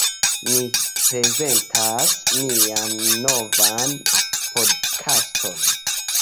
Ni prezentas nian novan podkaston.